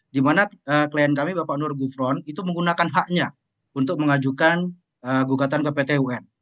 dimana klien kami bapak nur gufron itu menggunakan haknya untuk mengajukan gugatan ke pt un